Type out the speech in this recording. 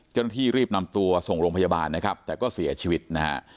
เจ้าหน้าที่รีบนำตัวส่งโรงพยาบาลนะครับแต่ก็เสียชีวิตนะฮะ